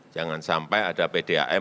jangan sampai ada pdam menaikkan lebat